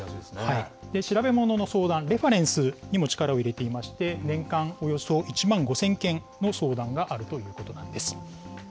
調べ物の相談、レファレンスにも力を入れていまして、年間およそ１万５０００件も相談があるということなんです。